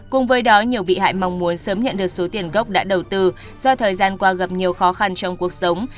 cùng với đó nhiều bị hại mong muốn sớm nhận được số tiền gốc đã đầu tư do thời gian qua gặp nhiều khó khăn trong cuộc sống